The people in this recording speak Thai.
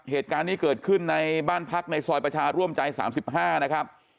เหตุการณ์นี้เกิดขึ้นในบ้านพักในซอยประชาร่วมใจ๓๕นะครับ